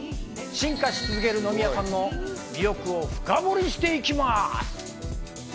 進化し続ける野宮さんの魅力を深堀りしていきます！